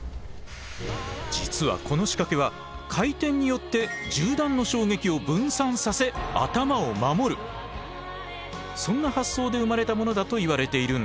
実はこの仕掛けはそんな発想で生まれたものだといわれているんです。